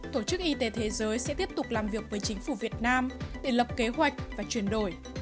tổ chức y tế thế giới sẽ tiếp tục làm việc với chính phủ việt nam để lập kế hoạch và chuyển đổi